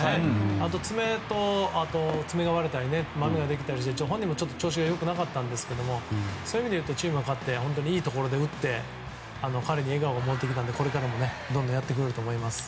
あと爪が割れたりまめができたりして本人も調子が良くなかったんですけどそういう意味でいうとチームが勝っていいところで打って彼に笑顔が戻ってきたのでこれからもどんどんやってくれると思いますね。